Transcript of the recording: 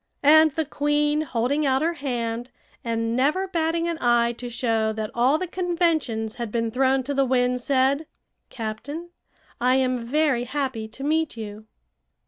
And the queen, holding out her hand, and never batting an eye to show that all the conventions had been thrown to the winds, said: "Captain, I am very happy to meet you."